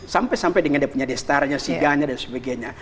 sampai sampai dengan dia punya destarnya sigarnya dan sebagainya